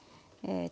ええ！